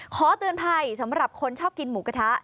ขอเตือนภัยสำหรับคนชอบกินหมูกระทะ